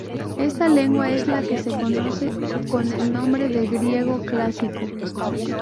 Esta lengua es la que se conoce con el nombre de griego clásico.